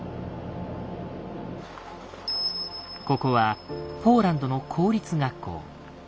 ここはポーランドの公立学校。